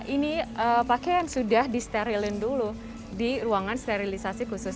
ini pakaian sudah disterilin dulu di ruangan sterilisasi khusus